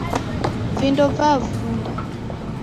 Vindo vavunda